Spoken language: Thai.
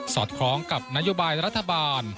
อดคล้องกับนโยบายรัฐบาล